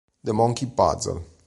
The Monkey Puzzle